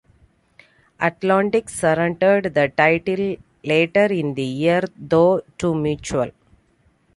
Atlantic surrendered the title later in the year, though, to Mutual.